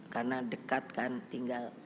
karena dekat kan tinggal